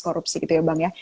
korupsi gitu ya bang ya